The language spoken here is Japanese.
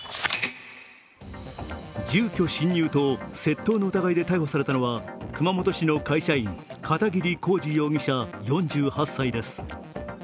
住居侵入と窃盗の疑いで逮捕されたのは、熊本市の会社員、片桐幸治容疑者４８歳です。